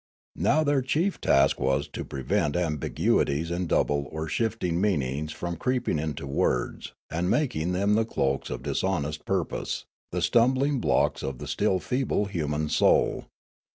Now their chief task was to prevent ambiguities and double or shifting meanings from creeping into words and making them the cloaks of dishonest purj5ose, the stumbling blocks of the still feeble human soul.